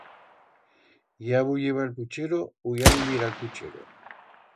Ya bulliba el puchero u ya bullirá el puchero.